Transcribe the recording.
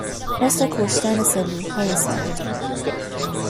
مثل کشتن سلولهای سرطانی